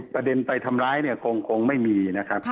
ประเด็นไปทำร้ายจะคงไม่มี